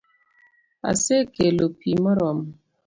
Asekelo pi moromo